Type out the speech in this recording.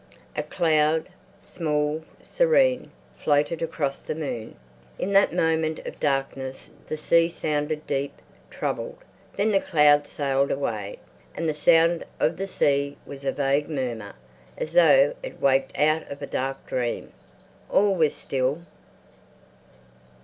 A cloud, small, serene, floated across the moon. In that moment of darkness the sea sounded deep, troubled. Then the cloud sailed away, and the sound of the sea was a vague murmur, as though it waked out of a dark dream. All was still.